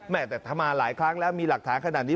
แต่ถ้ามาหลายครั้งแล้วมีหลักฐานขนาดนี้